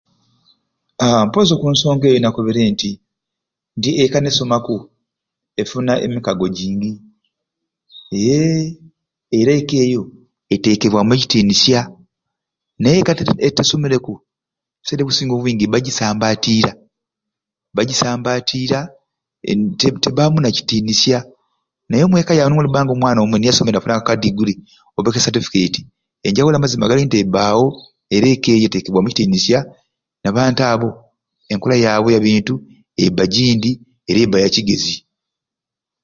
Aahh mpozi okunsonga eyo nakobere nti ekka nesomaku efuna emikaago jingi eeeh era ekka eyo etekebwamu ecitinisya naye ekka etasomereku ebiseera ebisinga obwingi bajisambatiira, bajisambatiira een tebamu tebamu babitinisya naye omweka yamu noliba nomwana omwei nga niye afuniire ediguri oba e certificate enjawulo amazima gali nti embaawo era ekka eyo etekebwamu ekitinisya nabantu abo enkola yabwe eyabintu ebba jindi era ebba yakigeezi